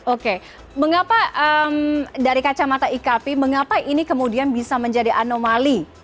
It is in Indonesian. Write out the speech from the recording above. oke mengapa dari kacamata ikp mengapa ini kemudian bisa menjadi anomali